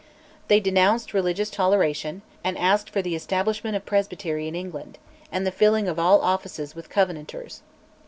They denounced religious toleration, and asked for the establishment of Presbytery in England, and the filling of all offices with Covenanters.